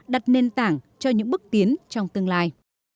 đặt nền tảng cho những bước tiến trong tương lai